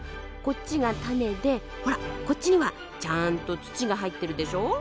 こっちが種でほらこっちにはちゃんと土が入ってるでしょ？